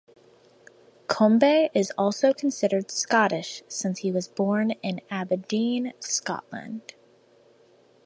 Combe is also considered Scottish since he was born in Aberdeen, Scotland.